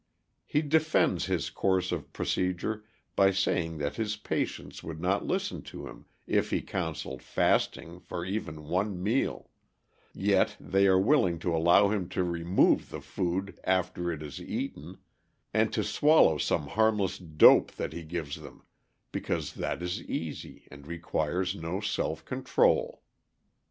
He defends his course of procedure by saying that his patients would not listen to him if he counseled fasting for even one meal, yet they are willing to allow him to remove the food after it is eaten, and to swallow some harmless "dope" that he gives them, because that is easy and requires no self control.